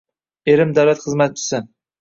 Erim davlat xizmatchisi.